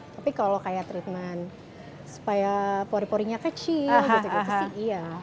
tapi kalau kayak treatment supaya pori porinya kecil gitu sih iya